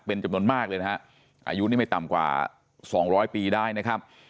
เป็นจำนวนมากเลยนะครับอายุนี้ไม่ต่ำกว่า๒๐๐ปีได้นะครับ